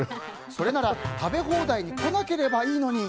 それなら食べ放題に来なければいいのに。